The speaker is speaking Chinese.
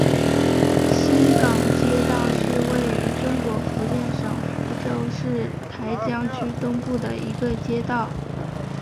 新港街道是位于中国福建省福州市台江区东部的一个街道。